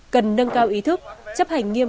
cần nâng cao ý thức chấp hành nghiêm